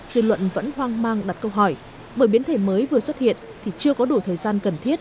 dư luận vẫn hoang mang đặt câu hỏi bởi biến thể mới vừa xuất hiện thì chưa có đủ thời gian cần thiết